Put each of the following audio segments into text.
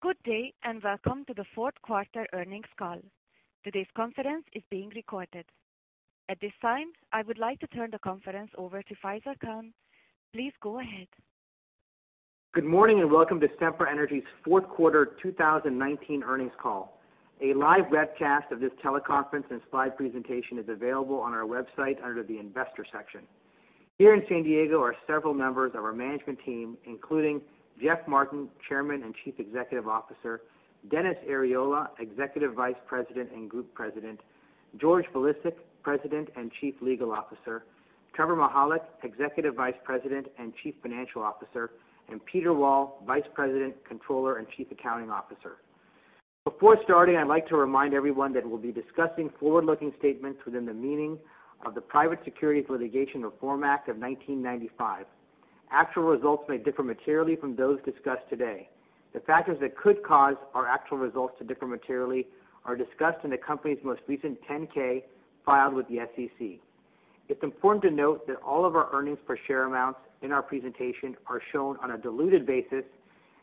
Good day, and welcome to the fourth quarter earnings call. Today's conference is being recorded. At this time, I would like to turn the conference over to Faisel Khan. Please go ahead. Good morning, and welcome to Sempra Energy's fourth quarter 2019 earnings call. A live webcast of this teleconference and slide presentation is available on our website under the investor section. Here in San Diego are several members of our management team, including Jeff Martin, Chairman and Chief Executive Officer. Dennis Arriola, Executive Vice President and Group President. George Bilicic, President and Chief Legal Officer. Trevor Mihalik, Executive Vice President and Chief Financial Officer, and Peter Wall, Vice President, Controller, and Chief Accounting Officer. Before starting, I'd like to remind everyone that we'll be discussing forward-looking statements within the meaning of the Private Securities Litigation Reform Act of 1995. Actual results may differ materially from those discussed today. The factors that could cause our actual results to differ materially are discussed in the company's most recent 10-K filed with the SEC. It's important to note that all of our earnings per share amounts in our presentation are shown on a diluted basis,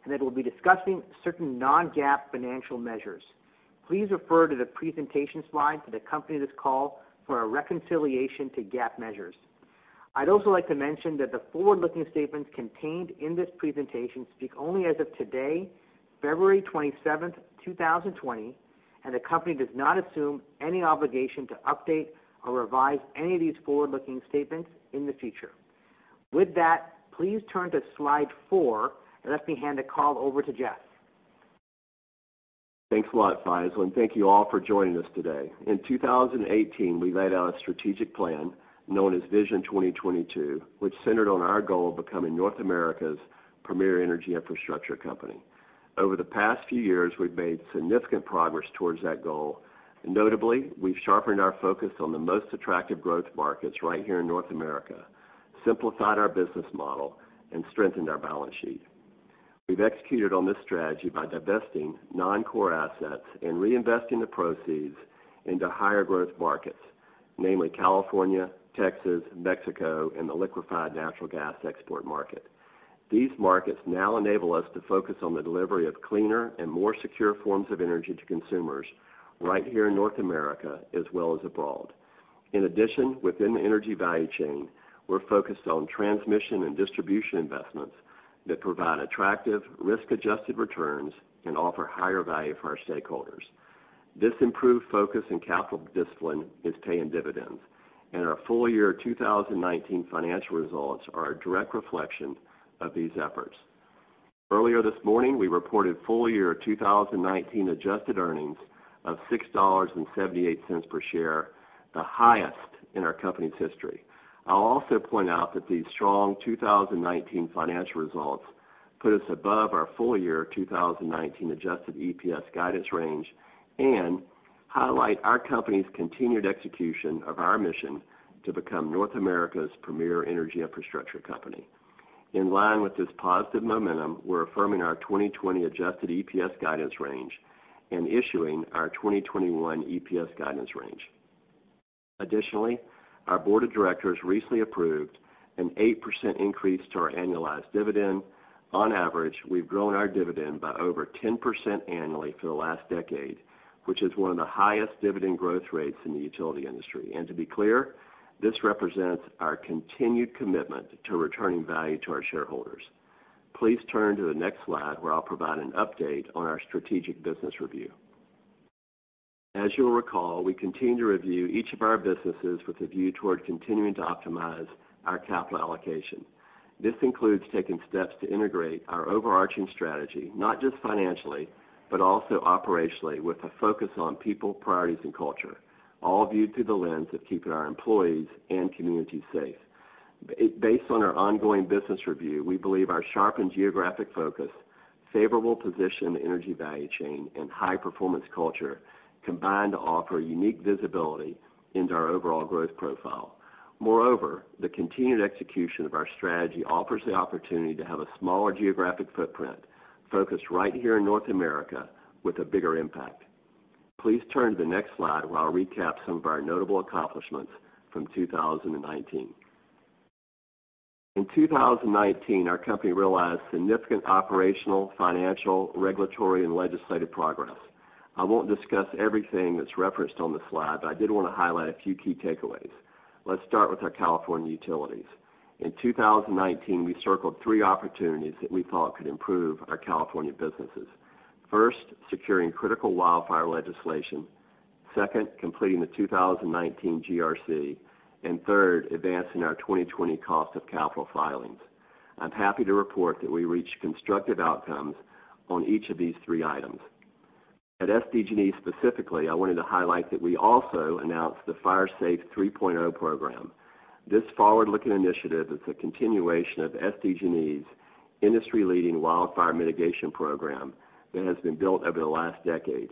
and that we'll be discussing certain non-GAAP financial measures. Please refer to the presentation slide that accompany this call for a reconciliation to GAAP measures. I'd also like to mention that the forward-looking statements contained in this presentation speak only as of today, February 27th, 2020, and the company does not assume any obligation to update or revise any of these forward-looking statements in the future. With that, please turn to slide four, and let me hand the call over to Jeff. Thanks a lot, Faisel, and thank you all for joining us today. In 2018, we laid out a strategic plan known as Vision 2022, which centered on our goal of becoming North America's premier energy infrastructure company. Over the past few years, we've made significant progress towards that goal. Notably, we've sharpened our focus on the most attractive growth markets right here in North America, simplified our business model, and strengthened our balance sheet. We've executed on this strategy by divesting non-core assets and reinvesting the proceeds into higher growth markets, namely California, Texas, Mexico, and the liquefied natural gas export market. These markets now enable us to focus on the delivery of cleaner and more secure forms of energy to consumers right here in North America, as well as abroad. In addition, within the energy value chain, we're focused on transmission and distribution investments that provide attractive risk-adjusted returns and offer higher value for our stakeholders. This improved focus and capital discipline is paying dividends. Our full year 2019 financial results are a direct reflection of these efforts. Earlier this morning, we reported full year 2019 adjusted earnings of $6.78 per share, the highest in our company's history. I'll also point out that these strong 2019 financial results put us above our full year 2019 adjusted EPS guidance range and highlight our company's continued execution of our mission to become North America's premier energy infrastructure company. In line with this positive momentum, we're affirming our 2020 adjusted EPS guidance range and issuing our 2021 EPS guidance range. Additionally, our board of directors recently approved an 8% increase to our annualized dividend. On average, we've grown our dividend by over 10% annually for the last decade, which is one of the highest dividend growth rates in the utility industry. To be clear, this represents our continued commitment to returning value to our shareholders. Please turn to the next slide, where I'll provide an update on our strategic business review. As you will recall, we continue to review each of our businesses with a view toward continuing to optimize our capital allocation. This includes taking steps to integrate our overarching strategy, not just financially, but also operationally, with a focus on people, priorities, and culture, all viewed through the lens of keeping our employees and communities safe. Based on our ongoing business review, we believe our sharpened geographic focus, favorable position in the energy value chain, and high-performance culture combine to offer unique visibility into our overall growth profile. The continued execution of our strategy offers the opportunity to have a smaller geographic footprint focused right here in North America with a bigger impact. Please turn to the next slide where I'll recap some of our notable accomplishments from 2019. In 2019, our company realized significant operational, financial, regulatory, and legislative progress. I won't discuss everything that's referenced on this slide, but I did want to highlight a few key takeaways. Let's start with our California utilities. In 2019, we circled three opportunities that we thought could improve our California businesses. First, securing critical wildfire legislation. Second, completing the 2019 GRC, and third, advancing our 2020 cost of capital filings. I'm happy to report that we reached constructive outcomes on each of these three items. At SDG&E specifically, I wanted to highlight that we also announced the Fire Safe 3.0 program. This forward-looking initiative is a continuation of SDG&E's industry-leading wildfire mitigation program that has been built over the last decade.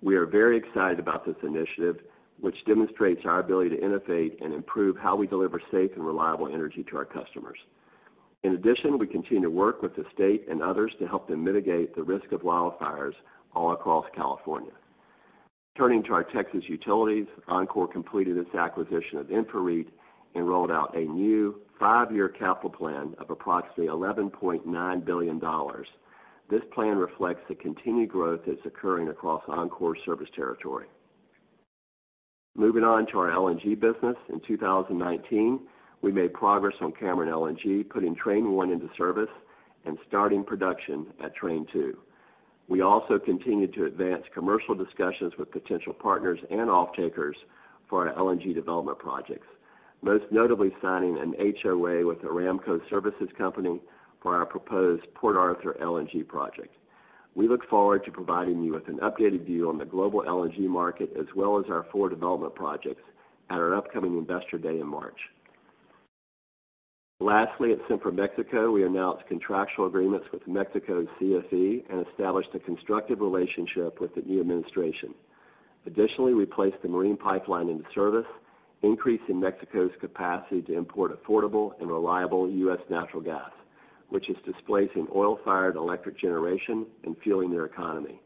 We are very excited about this initiative, which demonstrates our ability to innovate and improve how we deliver safe and reliable energy to our customers. In addition, we continue to work with the state and others to help them mitigate the risk of wildfires all across California. Turning to our Texas utilities, Oncor completed its acquisition of InfraREIT and rolled out a new five-year capital plan of approximately $11.9 billion. This plan reflects the continued growth that's occurring across Oncor's service territory. Moving on to our LNG business. In 2019, we made progress on Cameron LNG, putting Train 1 into service and starting production Train 2. We also continued to advance commercial discussions with potential partners and off-takers for our LNG development projects, most notably signing an HOA with Aramco Services Company for our proposed Port Arthur LNG project. We look forward to providing you with an updated view on the global LNG market, as well as our four development projects at our upcoming Investor Day in March. Lastly, at Sempra Mexico, we announced contractual agreements with Mexico's CFE and established a constructive relationship with the new administration. Additionally, we placed the marine pipeline into service, increasing Mexico's capacity to import affordable and reliable U.S. natural gas, which is displacing oil-fired electric generation and fueling their economy.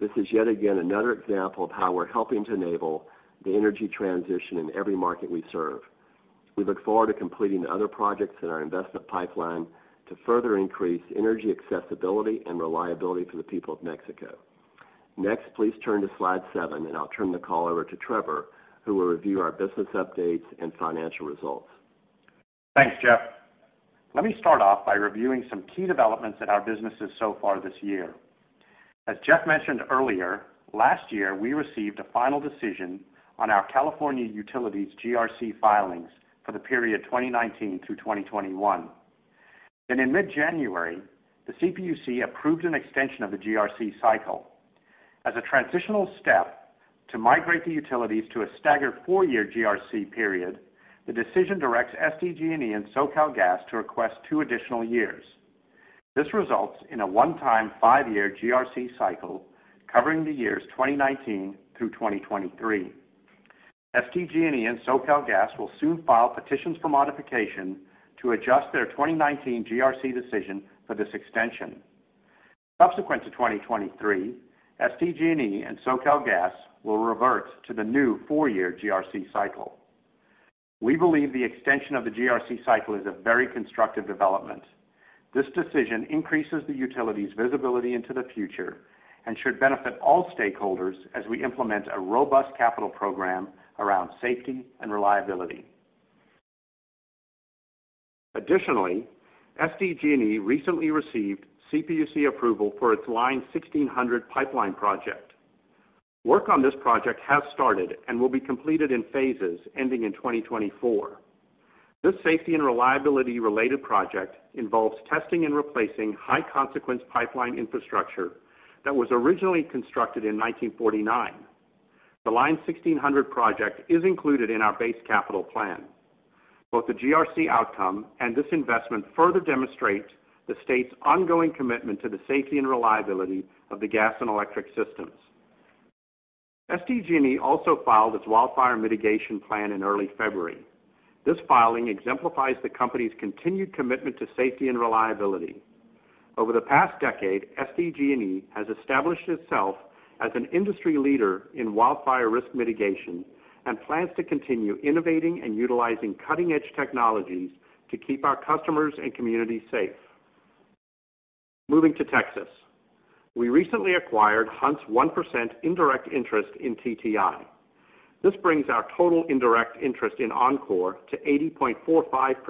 This is yet again another example of how we're helping to enable the energy transition in every market we serve. We look forward to completing the other projects in our investment pipeline to further increase energy accessibility and reliability for the people of Mexico. Next, please turn to slide seven, and I'll turn the call over to Trevor, who will review our business updates and financial results. Thanks, Jeff. Let me start off by reviewing some key developments at our businesses so far this year. As Jeff mentioned earlier, last year, we received a final decision on our California utilities GRC filings for the period 2019 through 2021. In mid-January, the CPUC approved an extension of the GRC cycle. As a transitional step to migrate the utilities to a staggered four-year GRC period, the decision directs SDG&E and SoCalGas to request two additional years. This results in a one-time five-year GRC cycle covering the years 2019 through 2023. SDG&E and SoCalGas will soon file petitions for modification to adjust their 2019 GRC decision for this extension. Subsequent to 2023, SDG&E and SoCalGas will revert to the new four-year GRC cycle. We believe the extension of the GRC cycle is a very constructive development. This decision increases the utility's visibility into the future and should benefit all stakeholders as we implement a robust capital program around safety and reliability. Additionally, SDG&E recently received CPUC approval for its Line 1600 pipeline project. Work on this project has started and will be completed in phases ending in 2024. This safety and reliability-related project involves testing and replacing high-consequence pipeline infrastructure that was originally constructed in 1949. The Line 1600 project is included in our base capital plan. Both the GRC outcome and this investment further demonstrate the state's ongoing commitment to the safety and reliability of the gas and electric systems. SDG&E also filed its wildfire mitigation plan in early February. This filing exemplifies the company's continued commitment to safety and reliability. Over the past decade, SDG&E has established itself as an industry leader in wildfire risk mitigation and plans to continue innovating and utilizing cutting-edge technologies to keep our customers and communities safe. Moving to Texas. We recently acquired Hunt's 1% indirect interest in TTI. This brings our total indirect interest in Oncor to 80.45%.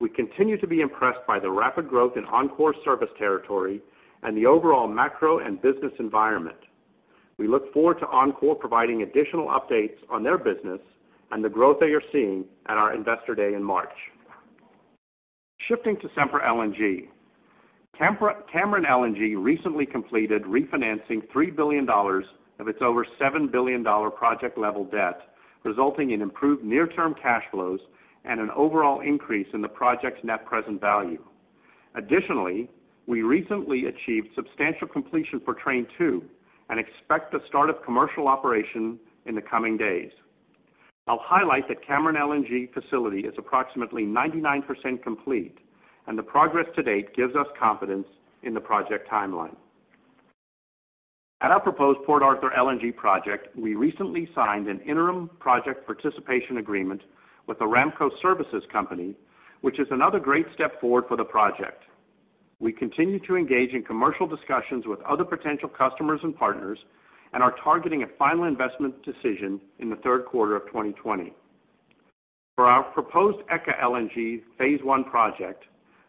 We continue to be impressed by the rapid growth in Oncor's service territory and the overall macro and business environment. We look forward to Oncor providing additional updates on their business and the growth they are seeing at our Investor Day in March. Shifting to Sempra LNG. Cameron LNG recently completed refinancing $3 billion of its over $7 billion project level debt, resulting in improved near-term cash flows and an overall increase in the project's net present value. Additionally, we recently achieved substantial completion for train 2 and expect the start of commercial operation in the coming days. I'll highlight that Cameron LNG facility is approximately 99% complete, and the progress to date gives us confidence in the project timeline. At our proposed Port Arthur LNG project, we recently signed an interim project participation agreement with Aramco Services Company, which is another great step forward for the project. We continue to engage in commercial discussions with other potential customers and partners and are targeting a final investment decision in the third quarter of 2020. For our proposed ECA LNG phase I project,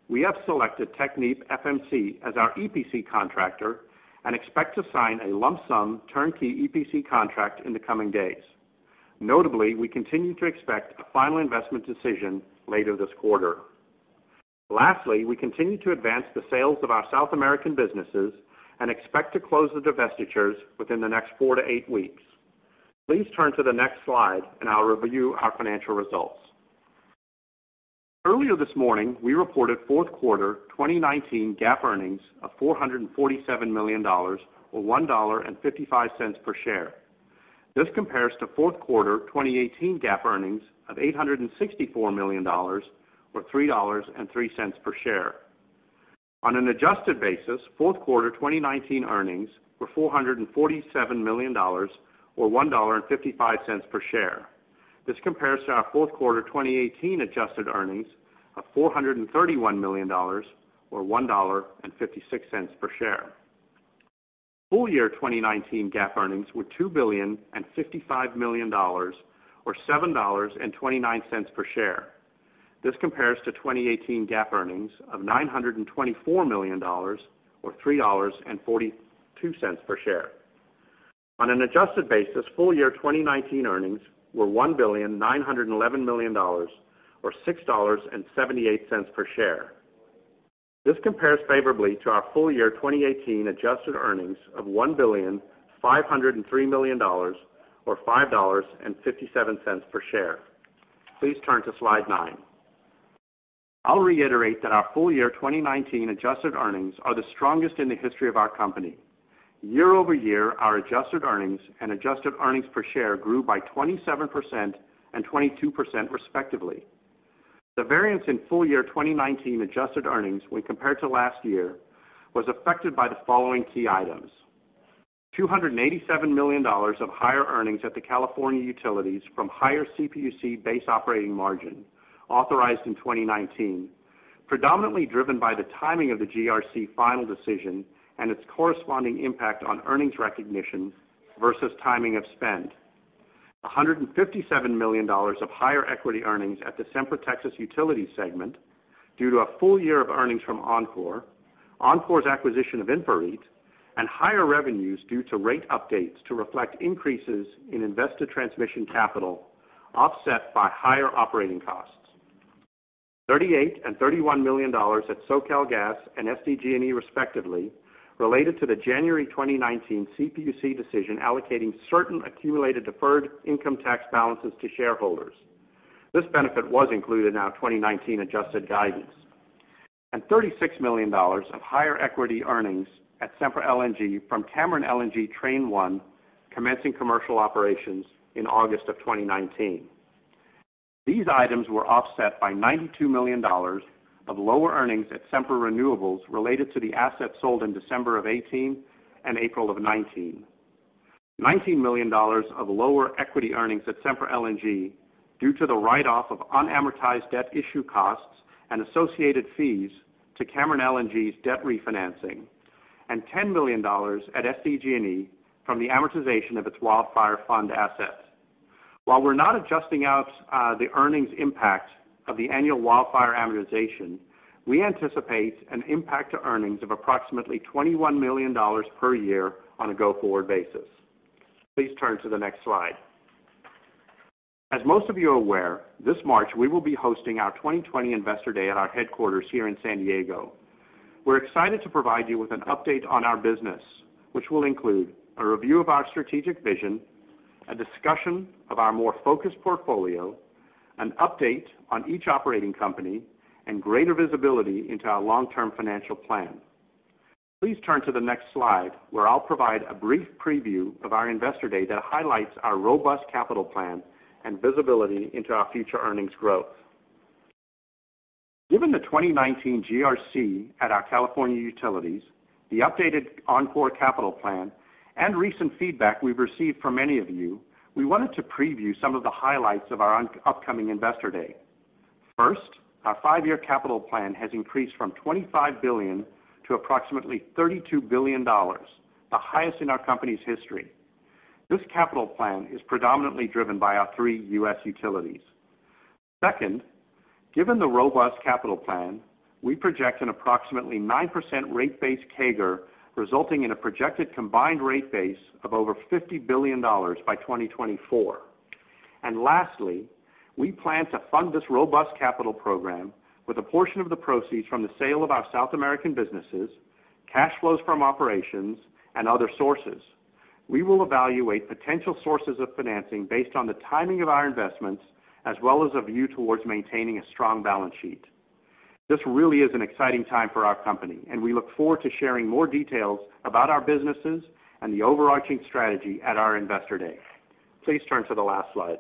we have selected TechnipFMC as our EPC contractor and expect to sign a lump-sum turnkey EPC contract in the coming days. Notably, we continue to expect a final investment decision later this quarter. Lastly, we continue to advance the sales of our South American businesses and expect to close the divestitures within the next four to eight weeks. Please turn to the next slide, and I'll review our financial results. Earlier this morning, we reported fourth quarter 2019 GAAP earnings of $447 million, or $1.55 per share. This compares to fourth quarter 2018 GAAP earnings of $864 million, or $3.03 per share. On an adjusted basis, fourth quarter 2019 earnings were $447 million, or $1.55 per share. This compares to our fourth quarter 2018 adjusted earnings of $431 million, or $1.56 per share. Full year 2019 GAAP earnings were $2,055 million, or $7.29 per share. This compares to 2018 GAAP earnings of $924 million, or $3.42 per share. On an adjusted basis, full year 2019 earnings were $1,911 million, or $6.78 per share. This compares favorably to our full year 2018 adjusted earnings of $1 billion, $503 million, or $5.57 per share. Please turn to slide nine. I'll reiterate that our full year 2019 adjusted earnings are the strongest in the history of our company. Year-over-year, our adjusted earnings and adjusted earnings per share grew by 27% and 22% respectively. The variance in full year 2019 adjusted earnings when compared to last year was affected by the following key items. $287 million of higher earnings at the California Utilities from higher CPUC base operating margin authorized in 2019, predominantly driven by the timing of the GRC final decision and its corresponding impact on earnings recognition versus timing of spend. $157 million of higher equity earnings at the Sempra Texas Utilities segment due to a full year of earnings from Oncor's acquisition of InfraREIT, and higher revenues due to rate updates to reflect increases in invested transmission capital offset by higher operating costs. $38 and $31 million at SoCalGas and SDG&E respectively, related to the January 2019 CPUC decision allocating certain accumulated deferred income tax balances to shareholders. This benefit was included in our 2019 adjusted guidance. $36 million of higher equity earnings at Sempra LNG from Cameron LNG Train 1 commencing commercial operations in August of 2019. These items were offset by $92 million of lower earnings at Sempra Renewables related to the assets sold in December of 2018 and April of 2019. $19 million of lower equity earnings at Sempra LNG due to the write-off of unamortized debt issue costs and associated fees to Cameron LNG's debt refinancing, and $10 million at SDG&E from the amortization of its wildfire fund assets. While we're not adjusting out the earnings impact of the annual wildfire amortization, we anticipate an impact to earnings of approximately $21 million per year on a go-forward basis. Please turn to the next slide. As most of you are aware, this March, we will be hosting our 2020 Investor Day at our headquarters here in San Diego. We're excited to provide you with an update on our business, which will include a review of our strategic vision, a discussion of our more focused portfolio, an update on each operating company, and greater visibility into our long-term financial plan. Please turn to the next slide, where I'll provide a brief preview of our Investor Day that highlights our robust capital plan and visibility into our future earnings growth. Given the 2019 GRC at our California utilities, the updated Oncor capital plan, and recent feedback we've received from many of you, we wanted to preview some of the highlights of our upcoming Investor Day. First, our five-year capital plan has increased from $25 billion to approximately $32 billion, the highest in our company's history. This capital plan is predominantly driven by our three U.S. utilities. Second, given the robust capital plan, we project an approximately 9% rate base CAGR, resulting in a projected combined rate base of over $50 billion by 2024. Lastly, we plan to fund this robust capital program with a portion of the proceeds from the sale of our South American businesses, cash flows from operations, and other sources. We will evaluate potential sources of financing based on the timing of our investments, as well as a view towards maintaining a strong balance sheet. This really is an exciting time for our company. We look forward to sharing more details about our businesses and the overarching strategy at our Investor Day. Please turn to the last slide.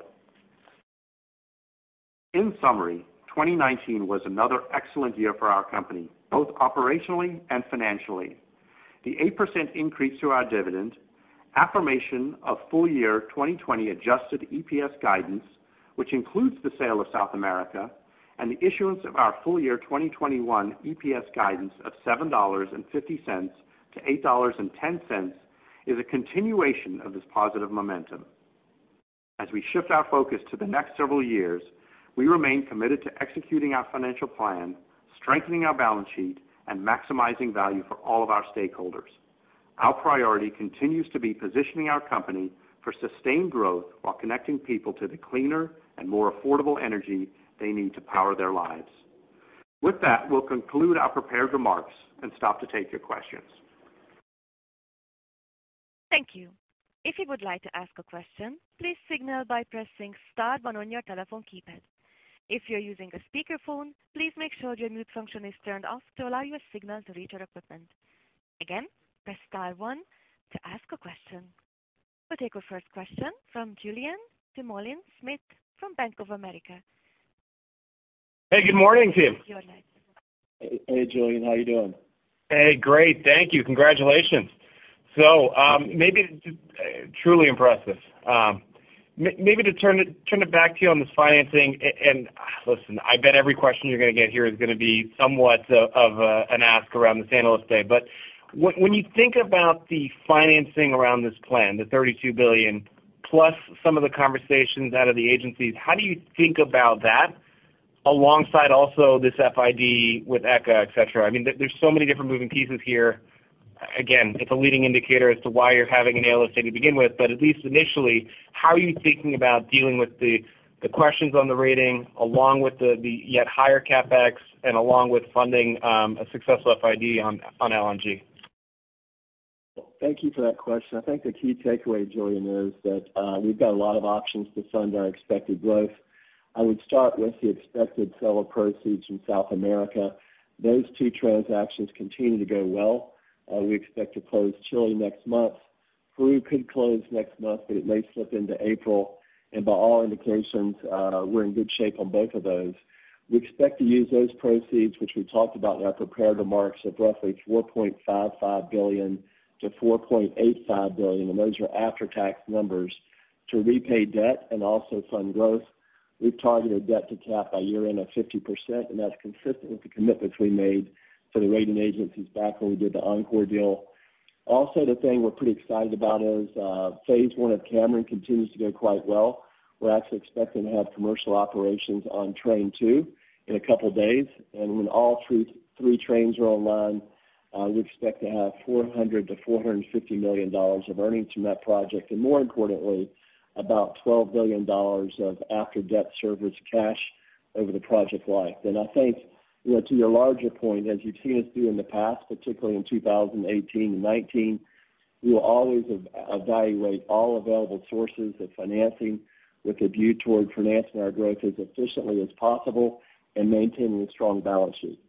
In summary, 2019 was another excellent year for our company, both operationally and financially. The 8% increase to our dividend, affirmation of full-year 2020 adjusted EPS guidance, which includes the sale of South America, and the issuance of our full-year 2021 EPS guidance of $7.50-$8.10 is a continuation of this positive momentum. As we shift our focus to the next several years, we remain committed to executing our financial plan, strengthening our balance sheet, and maximizing value for all of our stakeholders. Our priority continues to be positioning our company for sustained growth while connecting people to the cleaner and more affordable energy they need to power their lives. With that, we'll conclude our prepared remarks and stop to take your questions. Thank you. If you would like to ask a question, please signal by pressing star one on your telephone keypad. If you're using a speakerphone, please make sure your mute function is turned off to allow your signal to reach our equipment. Again, press star one to ask a question. We'll take our first question from Julien Dumoulin-Smith from Bank of America. Hey, good morning, team. Hey, Julien. How are you doing? Hey, great. Thank you. Congratulations. Truly impressive. Maybe to turn it back to you on this financing. Listen, I bet every question you're going to get here is going to be somewhat of an ask around this analyst day. When you think about the financing around this plan, the $32 billion, plus some of the conversations out of the agencies, how do you think about that alongside also this FID with ECA, et cetera? There's so many different moving pieces here. Again, it's a leading indicator as to why you're having an analyst day to begin with. At least initially, how are you thinking about dealing with the questions on the rating, along with the yet higher CapEx and along with funding a successful FID on LNG? Thank you for that question. I think the key takeaway, Julien, is that we've got a lot of options to fund our expected growth. I would start with the expected seller proceeds from South America. Those two transactions continue to go well. We expect to close Chile next month. Peru could close next month, but it may slip into April. By all indications, we're in good shape on both of those. We expect to use those proceeds, which we talked about in our prepared remarks, of roughly $4.55 billion-$4.85 billion, and those are after-tax numbers, to repay debt and also fund growth. We've targeted debt to cap by year-end of 50%, and that's consistent with the commitments we made for the rating agencies back when we did the Oncor deal. Also, the thing we're pretty excited about is phase I of Cameron continues to go quite well. We're actually expecting to have commercial operations on Train 2 in a couple of days. When all three trains are online, we expect to have $400 million-$450 million of earnings from that project, and more importantly, about $12 billion of after-debt service cash over the project life. I think to your larger point, as you've seen us do in the past, particularly in 2018 and 2019, we will always evaluate all available sources of financing with a view toward financing our growth as efficiently as possible and maintaining a strong balance sheet.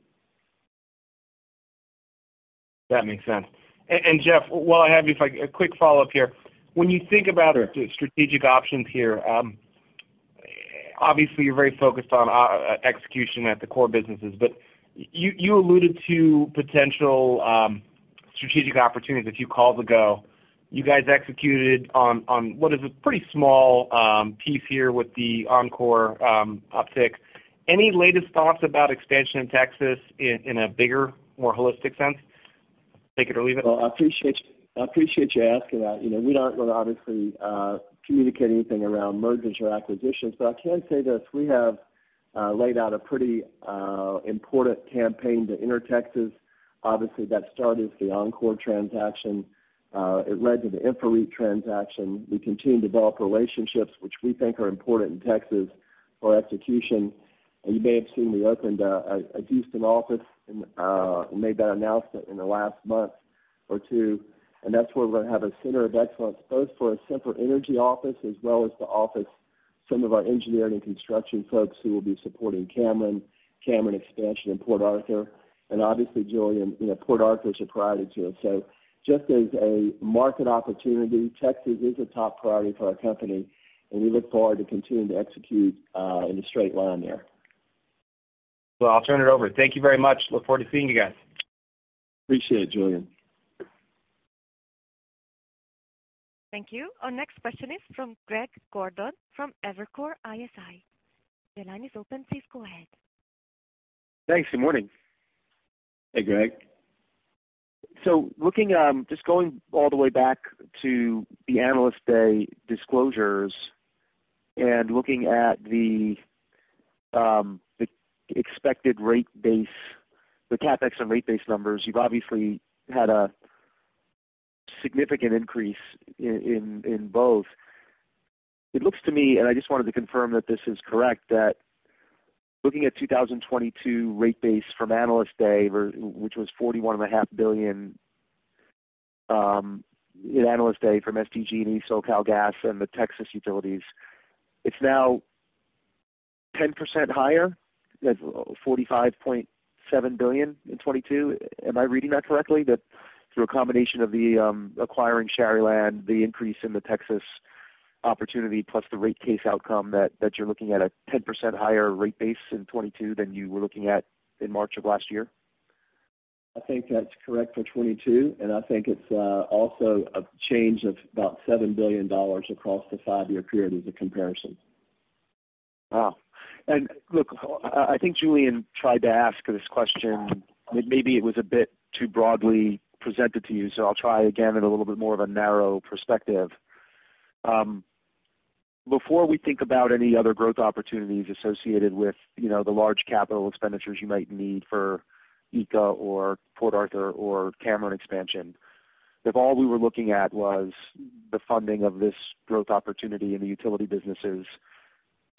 That makes sense. Jeff, while I have you, a quick follow-up here. When you think about strategic options here, obviously you're very focused on execution at the core businesses, but you alluded to potential strategic opportunities a few calls ago. You guys executed on what is a pretty small piece here with the Oncor up-tick. Any latest thoughts about expansion in Texas in a bigger, more holistic sense? Take it or leave it. Well, I appreciate you asking that. We're not going to obviously communicate anything around mergers or acquisitions, but I can say this. We have laid out a pretty important campaign to enter Texas. Obviously, that started with the Oncor transaction. It led to the InfraREIT transaction. We continue to develop relationships which we think are important in Texas for execution. You may have seen we opened a Houston office and made that announcement in the last month or two, and that's where we're going to have a center of excellence, both for a Sempra Energy office as well as the office some of our engineering and construction folks who will be supporting Cameron expansion in Port Arthur. Obviously, Julien, Port Arthur is a priority to us. Just as a market opportunity, Texas is a top priority for our company, and we look forward to continuing to execute in a straight line there. Well, I'll turn it over. Thank you very much. Look forward to seeing you guys. Appreciate it, Julien. Thank you. Our next question is from Greg Gordon from Evercore ISI. Your line is open, please go ahead. Thanks. Good morning. Hey, Greg. Just going all the way back to the Analyst Day disclosures and looking at the CapEx and rate base numbers, you've obviously had a significant increase in both. It looks to me, and I just wanted to confirm that this is correct, that looking at 2022 rate base from Analyst Day, which was $41.5 billion in Analyst Day from SDG&E, SoCalGas, and the Texas utilities, it's now 10% higher at $45.7 billion in 2022. Am I reading that correctly? That through a combination of the acquiring Sharyland, the increase in the Texas opportunity, plus the rate case outcome, that you're looking at a 10% higher rate base in 2022 than you were looking at in March of last year? I think that's correct for 2022, and I think it's also a change of about $7 billion across the five-year period as a comparison. Wow. Look, I think Julien tried to ask this question, but maybe it was a bit too broadly presented to you, so I'll try again in a little bit more of a narrow perspective. Before we think about any other growth opportunities associated with the large capital expenditures you might need for ECA or Port Arthur or Cameron expansion, if all we were looking at was the funding of this growth opportunity in the utility businesses,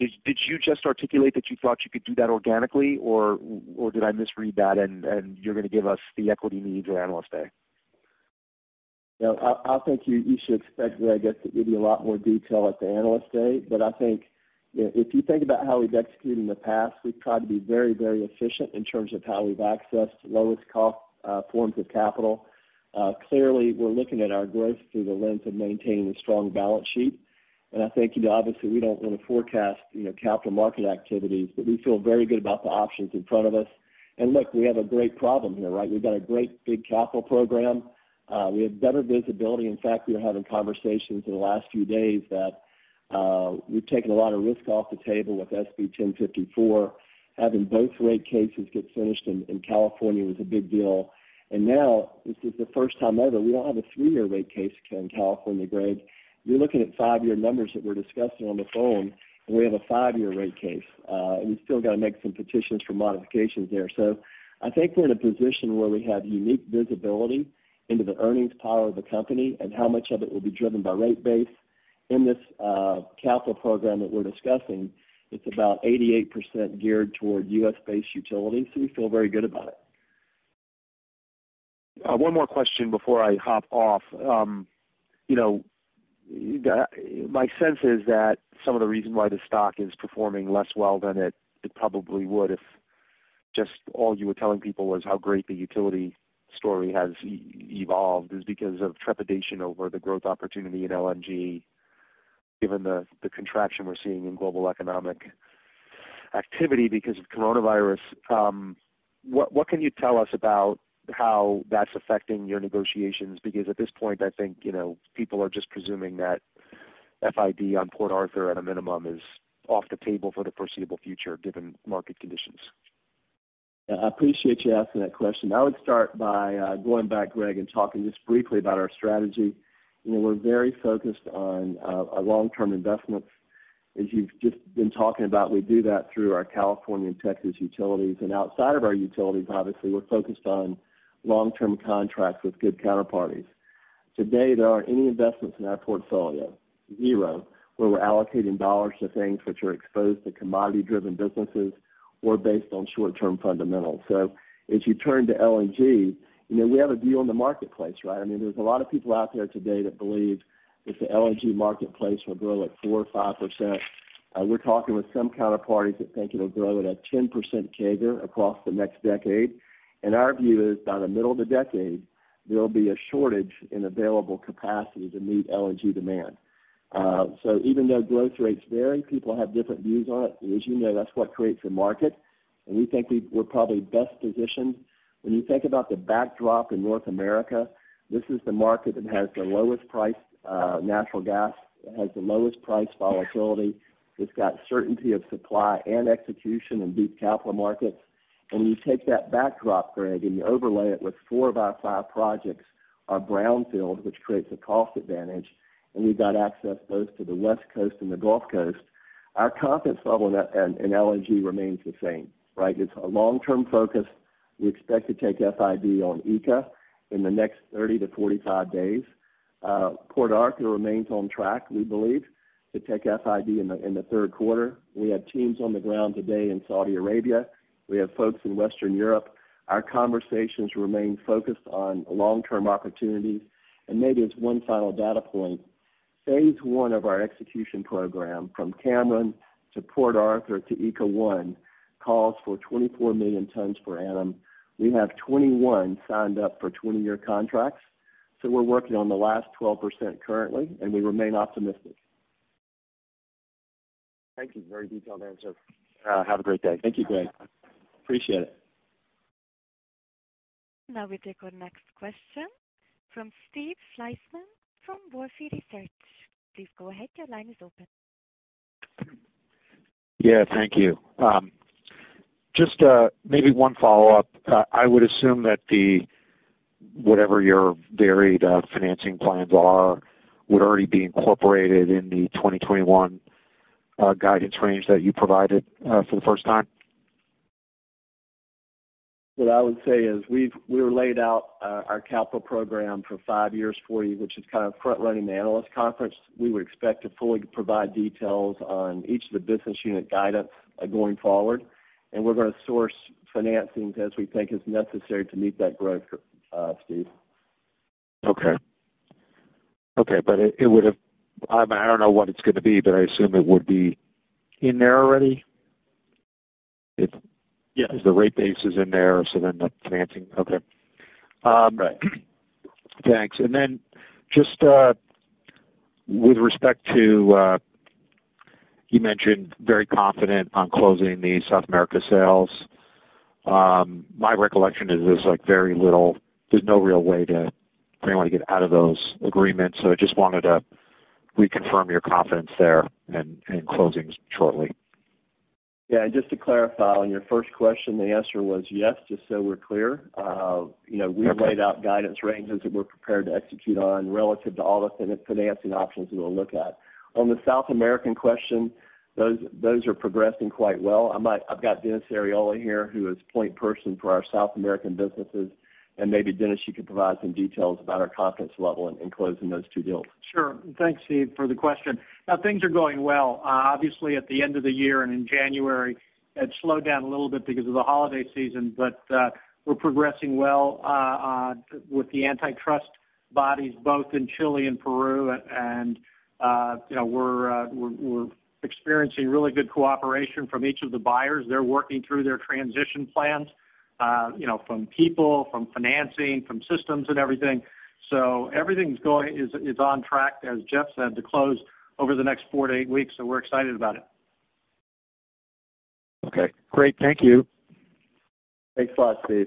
did you just articulate that you thought you could do that organically, or did I misread that and you're going to give us the equity needs at Analyst Day? I think you should expect that I get to give you a lot more detail at the Analyst Day. If you think about how we've executed in the past, we've tried to be very efficient in terms of how we've accessed lowest cost forms of capital. Clearly, we're looking at our growth through the lens of maintaining a strong balance sheet. I think, obviously we don't want to forecast capital market activities, but we feel very good about the options in front of us. Look, we have a great problem here, right? We've got a great big capital program. We have better visibility. In fact, we were having conversations in the last few days that we've taken a lot of risk off the table with AB 1054. Having both rate cases get finished in California was a big deal. Now this is the first time ever, we don't have a three-year rate case in California, Greg. You're looking at five-year numbers that we're discussing on the phone, and we have a five-year rate case. We've still got to make some petitions for modifications there. I think we're in a position where we have unique visibility into the earnings power of the company and how much of it will be driven by rate base. In this capital program that we're discussing, it's about 88% geared toward U.S.-based utilities, we feel very good about it. One more question before I hop off. My sense is that some of the reason why the stock is performing less well than it probably would if just all you were telling people was how great the utility story has evolved is because of trepidation over the growth opportunity in LNG, given the contraction we're seeing in global economic activity because of coronavirus. What can you tell us about how that's affecting your negotiations? At this point, I think, people are just presuming that FID on Port Arthur at a minimum is off the table for the foreseeable future, given market conditions? I appreciate you asking that question. I would start by going back, Greg, talking just briefly about our strategy. We're very focused on our long-term investments. As you've just been talking about, we do that through our California and Texas utilities. Outside of our utilities, obviously, we're focused on long-term contracts with good counterparties. To date, there aren't any investments in our portfolio, zero, where we're allocating dollars to things which are exposed to commodity-driven businesses or based on short-term fundamentals. As you turn to LNG, we have a view on the marketplace, right? There's a lot of people out there today that believe that the LNG marketplace will grow at 4% or 5%. We're talking with some counterparties that think it'll grow at a 10% CAGR across the next decade. Our view is by the middle of the decade, there'll be a shortage in available capacity to meet LNG demand. Even though growth rates vary, people have different views on it. As you know, that's what creates a market, and we think we're probably best positioned. When you think about the backdrop in North America, this is the market that has the lowest price. Natural gas has the lowest price volatility. It's got certainty of supply and execution in deep capital markets. When you take that backdrop, Greg, and you overlay it with four of our five projects are brownfield, which creates a cost advantage, and we've got access both to the West Coast and the Gulf Coast. Our confidence level in LNG remains the same, right? It's a long-term focus. We expect to take FID on ECA in the next 30-45 days. Port Arthur remains on track, we believe, to take FID in the third quarter. We have teams on the ground today in Saudi Arabia. We have folks in Western Europe. Our conversations remain focused on long-term opportunities. Maybe as one final data point, phase I of our execution program, from Cameron to Port Arthur to ECA 1, calls for 24 million tons per annum. We have 21 signed up for 20-year contracts, so we're working on the last 12% currently, and we remain optimistic. Thank you. Very detailed answer. Have a great day. Thank you, Greg. Appreciate it. Now we take our next question from Steve Fleishman from Wolfe Research. Please go ahead. Your line is open. Yeah, thank you. Just maybe one follow-up. I would assume that whatever your varied financing plans are would already be incorporated in the 2021 guidance range that you provided for the first time? What I would say is we laid out our capital program for five years for you, which is kind of front-running the analyst conference. We would expect to fully provide details on each of the business unit guidance going forward, and we're going to source financing as we think is necessary to meet that growth, Steve. Okay. I don't know what it's going to be, but I assume it would be in there already? Yes. The rate base is in there, okay. Right. Thanks. Just you mentioned very confident on closing the South America sales. My recollection is there's no real way to frankly get out of those agreements, so I just wanted to reconfirm your confidence there in closings shortly. Yeah, just to clarify on your first question, the answer was yes, just so we're clear. Okay. We laid out guidance ranges that we're prepared to execute on relative to all the financing options we will look at. On the South American question, those are progressing quite well. I've got Dennis Arriola here, who is point person for our South American businesses. Maybe Dennis, you could provide some details about our confidence level in closing those two deals. Sure. Thanks, Steve, for the question. Things are going well. Obviously, at the end of the year and in January, it slowed down a little bit because of the holiday season, but we're progressing well with the antitrust bodies both in Chile and Peru, we're experiencing really good cooperation from each of the buyers. They're working through their transition plans. From people, from financing, from systems and everything. Everything is on track, as Jeff said, to close over the next four to eight weeks, so we're excited about it. Okay, great. Thank you. Thanks a lot, Steve.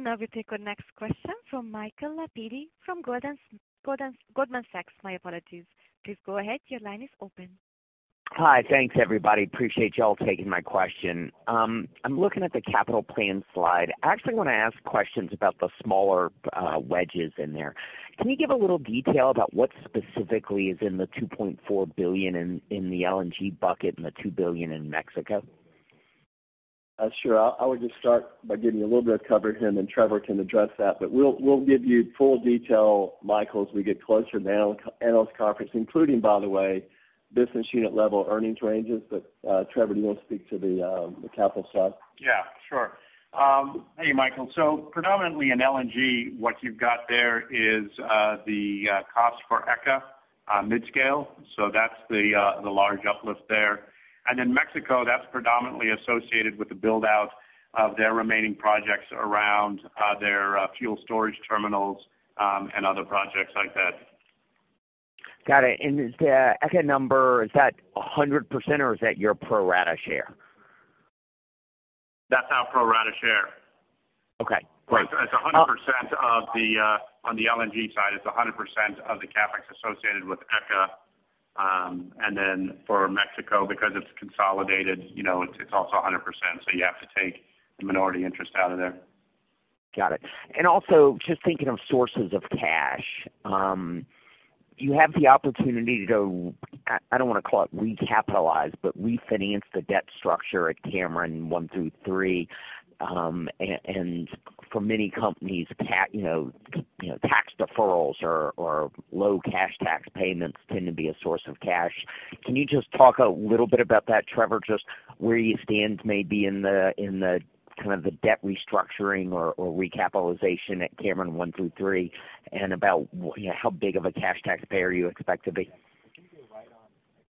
Now we take our next question from Michael Lapides from Goldman Sachs. Please go ahead, your line is open. Hi. Thanks, everybody. Appreciate y'all taking my question. I'm looking at the capital plan slide. I actually want to ask questions about the smaller wedges in there. Can you give a little detail about what specifically is in the $2.4 billion in the LNG bucket and the $2 billion in Mexico? Sure. I would just start by giving you a little bit of cover here, and then Trevor can address that. We'll give you full detail, Michael, as we get closer to the analyst conference, including, by the way, business unit level earnings ranges. Trevor, do you want to speak to the capital side? Yeah, sure. Hey, Michael. Predominantly in LNG, what you've got there is the cost for ECA Mid-Scale, so that's the large uplift there. Then Mexico, that's predominantly associated with the build-out of their remaining projects around their fuel storage terminals, and other projects like that. Got it. The ECA number, is that 100%, or is that your pro rata share? That's our pro rata share. Okay, great. On the LNG side, it is 100% of the CapEx associated with the ECA. For Mexico, because it is consolidated, it is also 100%, so you have to take the minority interest out of there. Got it. Also, just thinking of sources of cash. Do you have the opportunity to, I don't want to call it recapitalize, but refinance the debt structure at Cameron 1, 2, 3? For many companies, tax deferrals or low cash tax payments tend to be a source of cash. Can you just talk a little bit about that, Trevor, just where you stand maybe in the kind of the debt restructuring or recapitalization at Cameron 1, 2, 3 and about how big of a cash taxpayer you expect to be?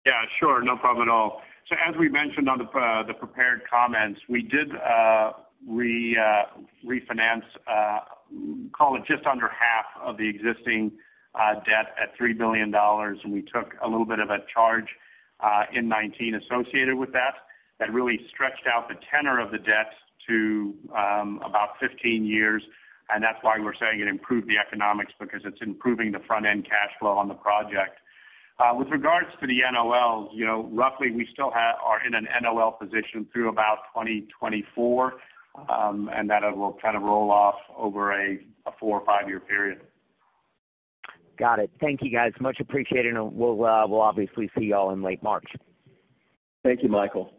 Yeah, sure. No problem at all. As we mentioned on the prepared comments, we did refinance, call it just under half of the existing debt at $3 billion. We took a little bit of a charge in 2019 associated with that. That really stretched out the tenor of the debt to about 15 years, and that's why we're saying it improved the economics because it's improving the front-end cash flow on the project. With regards to the NOLs, roughly, we still are in an NOL position through about 2024. That will kind of roll off over a four or five-year period. Got it. Thank you, guys. Much appreciated. We'll obviously see y'all in late March. Thank you, Michael.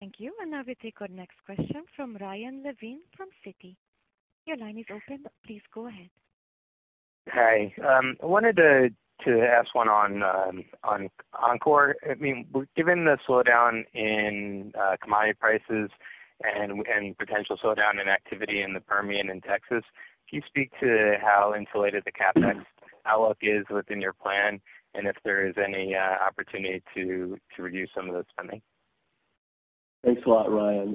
Thank you. Now we take our next question from Ryan Levine from Citi. Your line is open. Please go ahead. Hi. I wanted to ask one on Oncor. Given the slowdown in commodity prices and potential slowdown in activity in the Permian in Texas, can you speak to how insulated the CapEx outlook is within your plan, and if there is any opportunity to review some of those spending? Thanks a lot, Ryan.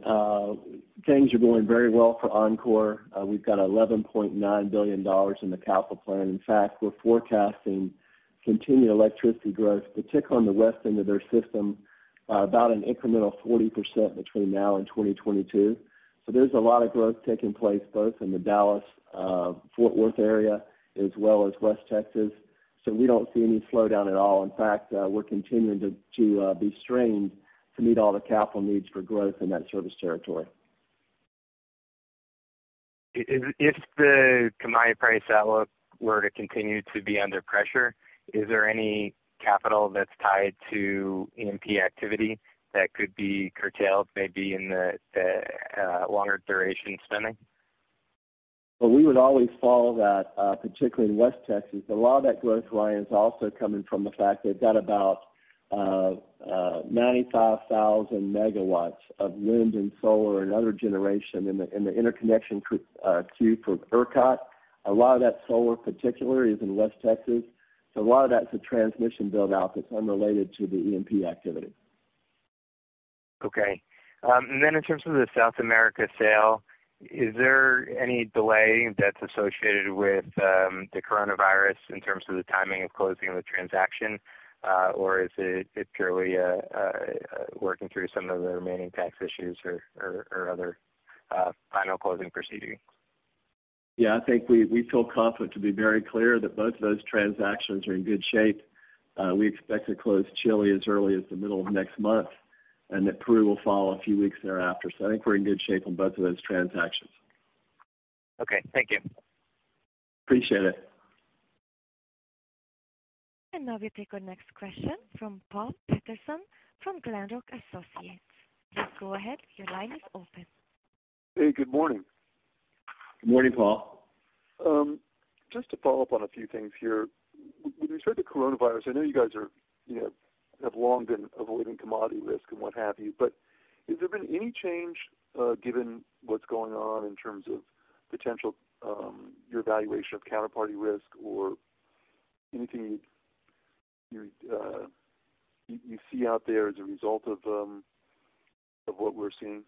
Things are going very well for Oncor. We've got $11.9 billion in the capital plan. We're forecasting continued electricity growth, particularly on the west end of their system, about an incremental 40% between now and 2022. There's a lot of growth taking place both in the Dallas-Fort Worth area as well as West Texas. We're continuing to be strained to meet all the capital needs for growth in that service territory. If the commodity price outlook were to continue to be under pressure, is there any capital that's tied to E&P activity that could be curtailed, maybe in the longer duration spending? We would always follow that, particularly in West Texas. A lot of that growth, Ryan, is also coming from the fact they've got about 95,000 MW of wind and solar and other generation in the interconnection queue for ERCOT. A lot of that solar particularly is in West Texas. A lot of that's a transmission build-out that's unrelated to the E&P activity. Okay. Then in terms of the South America sale, is there any delay that's associated with the coronavirus in terms of the timing of closing of the transaction? Is it purely working through some of the remaining tax issues or other final closing proceedings? Yeah, I think we feel confident to be very clear that both of those transactions are in good shape. We expect to close Chile as early as the middle of next month, and that Peru will follow a few weeks thereafter. I think we're in good shape on both of those transactions. Okay, thank you. Appreciate it. Now we take our next question from Paul Patterson from Glenrock Associates. Please go ahead, your line is open. Hey, good morning. Good morning, Paul. Just to follow up on a few things here. When you said the coronavirus, I know you guys have long been avoiding commodity risk and what have you. Has there been any change given what's going on in terms of potential, your evaluation of counterparty risk or anything you see out there as a result of what we're seeing?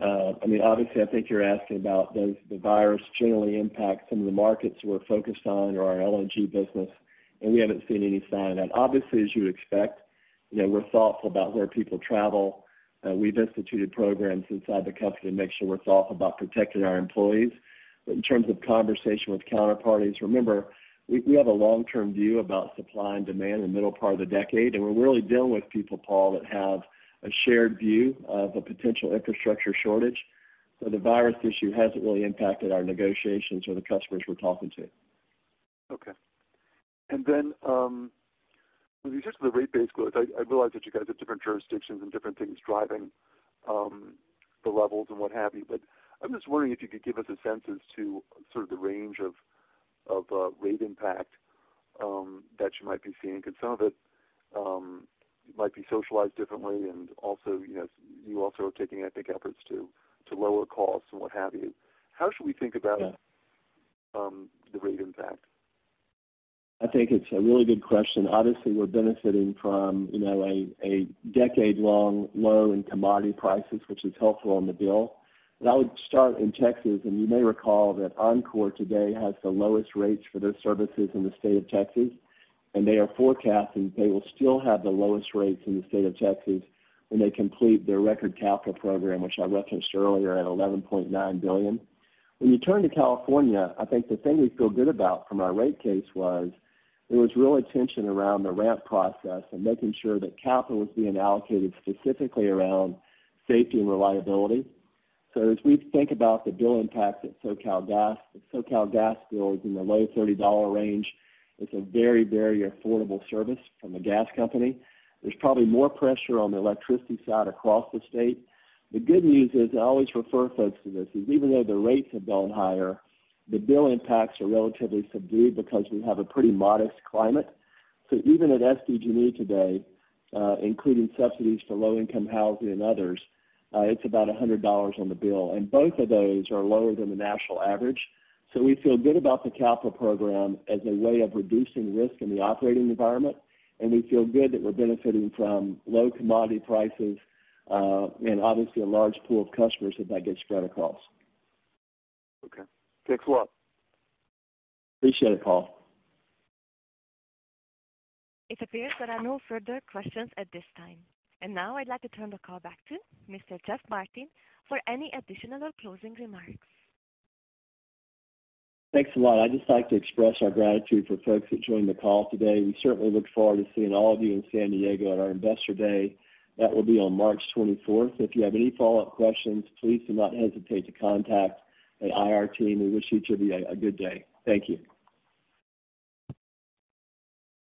Obviously, I think you're asking about does the virus generally impact some of the markets we're focused on or our LNG business. We haven't seen any sign of that. Obviously, as you would expect, we're thoughtful about where people travel. We've instituted programs inside the company to make sure we're thoughtful about protecting our employees. In terms of conversation with counterparties, remember, we have a long-term view about supply and demand in the middle part of the decade. We're really dealing with people, Paul, that have a shared view of a potential infrastructure shortage. The virus issue hasn't really impacted our negotiations or the customers we're talking to. Okay. When you touched on the rate base growth, I realize that you guys have different jurisdictions and different things driving the levels and what have you, but I'm just wondering if you could give us a sense as to sort of the range of rate impact that you might be seeing, because some of it might be socialized differently. Also, you also are taking, I think, efforts to lower costs and what have you. Yeah. The rate impact? I think it's a really good question. Obviously, we're benefiting from a decade-long low in commodity prices, which is helpful on the bill. I would start in Texas, and you may recall that Oncor today has the lowest rates for their services in the state of Texas, and they are forecasting that they will still have the lowest rates in the state of Texas when they complete their record capital program, which I referenced earlier at $11.9 billion. When you turn to California, I think the thing we feel good about from our rate case was there was real attention around the ramp process and making sure that capital was being allocated specifically around safety and reliability. As we think about the bill impact at SoCalGas, the SoCalGas bill is in the low $30 range. It's a very, very affordable service from a gas company. There's probably more pressure on the electricity side across the state. The good news is, I always refer folks to this, is even though the rates have gone higher, the bill impacts are relatively subdued because we have a pretty modest climate. Even at SDG&E today, including subsidies for low-income housing and others, it's about $100 on the bill, and both of those are lower than the national average. We feel good about the capital program as a way of reducing risk in the operating environment, and we feel good that we're benefiting from low commodity prices, and obviously a large pool of customers that gets spread across. Okay. Thanks a lot. Appreciate it, Paul. It appears there are no further questions at this time. Now I'd like to turn the call back to Mr. Jeff Martin for any additional or closing remarks. Thanks a lot. I'd just like to express our gratitude for folks that joined the call today. We certainly look forward to seeing all of you in San Diego at our Investor Day. That will be on March 24th. If you have any follow-up questions, please do not hesitate to contact the IR team. We wish each of you a good day. Thank you.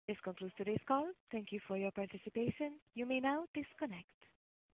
This concludes today's call. Thank you for your participation. You may now disconnect.